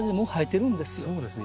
そうですね。